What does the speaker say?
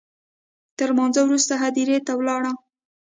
تر لمانځه وروسته هدیرې ته ولاړم.